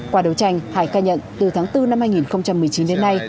qua đấu tranh hải khai nhận từ tháng bốn năm hai nghìn một mươi chín đến nay